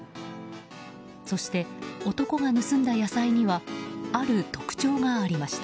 そして男が盗んだ野菜にはある特徴がありました。